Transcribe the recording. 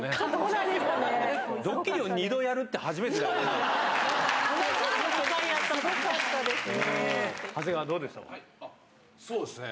ドッキリを２度やるって、初めてだよね。